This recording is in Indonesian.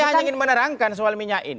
saya hanya ingin menerangkan soal minyak ini